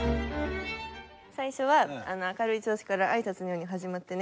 最初は明るい調子からあいさつのように始まってね。